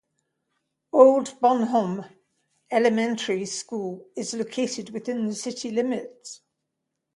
Old Bonhomme Elementary School is located within the city limits.